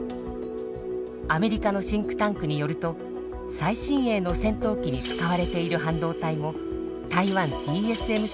アメリカのシンクタンクによると最新鋭の戦闘機に使われている半導体も台湾ＴＳＭＣ